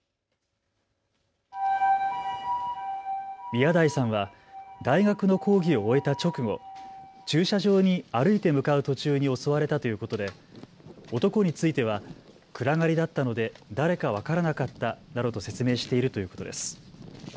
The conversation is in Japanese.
宮台さんは大学の講義を終えた直後、駐車場に歩いて向かう途中に襲われたということで男については暗がりだったので誰か分からなかったなどと説明しているということです。